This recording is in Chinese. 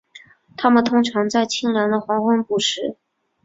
它们通常在清凉的黄昏捕食。